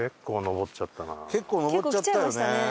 結構上っちゃったよね。